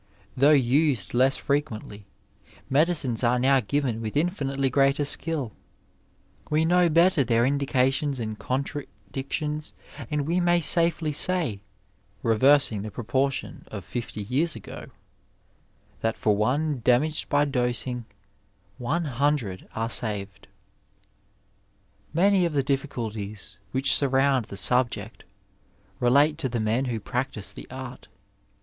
Though used less frequently, medicines are now given with infinitely greater skill ; we know better their indications and contradictions, and we may safely say (reversing the proportion of fifty years ago) that for one damaged by dosing, one hundred are saved. Many of the difficulties which surround the subject relate to the men who practise the art.